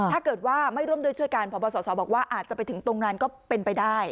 ถ้าเกิดว่าไม่ร่วมด้วยช่วยกันพบสสบอกว่าอาจจะไปถึงตรงนั้นก็เป็นไปได้